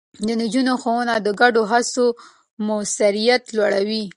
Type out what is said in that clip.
د نجونو ښوونه د ګډو هڅو موثريت لوړوي.